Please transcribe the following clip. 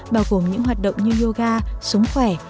bao gồm những hoạt động như yoga sống khỏe